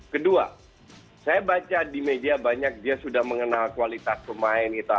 kedua saya baca di media banyak dia sudah mengenal kualitas pemain